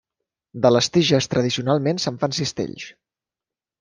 De les tiges tradicionalment se'n fan cistells.